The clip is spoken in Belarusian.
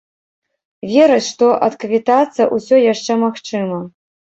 Вераць, што адквітацца ўсё яшчэ магчыма.